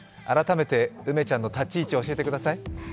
改めて、梅ちゃんの立ち位置を教えてください。